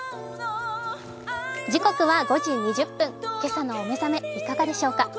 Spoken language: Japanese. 時刻は５時２０分、今朝のお目覚め、いかがでしょうか。